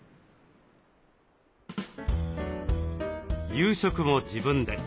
夕食も自分で。